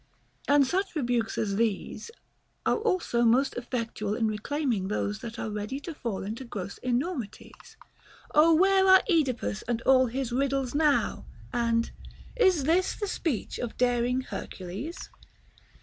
lt And such rebukes as these are also most effectual in re claiming those that are ready to fall into gross enormi ties : O where are Oedipus and all his riddles now 1 and Is this the speech of daring Hercules